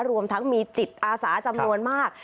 รวมทั้งมีจิตอาสาจำนวนมาก